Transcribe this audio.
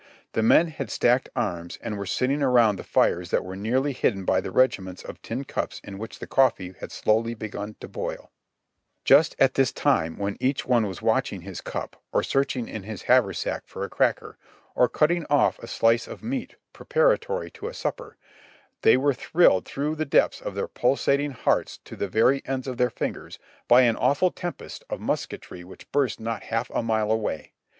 The men had stacked arms and were sitting around the fires that were nearly hidden by the regiments of tin cups in which the cofTee had slowly begun to boil; just at this time, when each one was watching his cup, or searching in his haversack for a cracker, or cutting off a slice of meat preparatory to a supper, they were thrilled through the depths of their pulsating hearts to the very ends of their fingers by an awful tempest of musketry which burst not half a mile away.